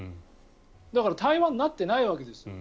だから対話になってないわけです。